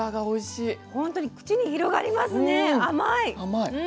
おいしい！